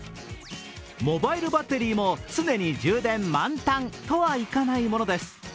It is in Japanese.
モバイルバッテリーも常に充電満タンとはいかないものです。